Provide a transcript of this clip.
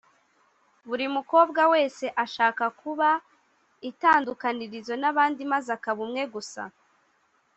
buri mukobwa wese ashaka kuba itandukanirizo n’abandi maze akaba umwe gusa